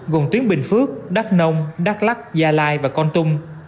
gồm tuyến bình phước đắk nông đắk lắc gia lai và con tum